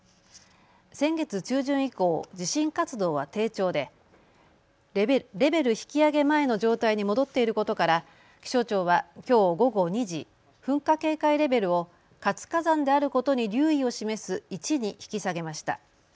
先月中旬以降、地震活動は低調でレベル引き上げ前の状態に戻っていることから気象庁はきょう午後２時、噴火警戒レベルを活火山であることに留意を示す１に引き下げました。